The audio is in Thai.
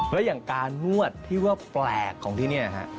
แล้วอย่างการนวดที่ว่าแปลกของที่นี่ฮะ